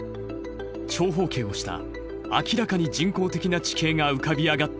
長方形をした明らかに人工的な地形が浮かび上がってきた。